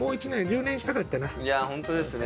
いや本当ですね。